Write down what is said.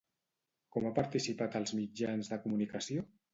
Com ha participat als mitjans de comunicació?